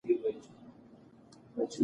هغه وویل چې کلتور زموږ د وجود برخه ده.